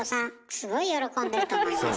すごい喜んでると思います。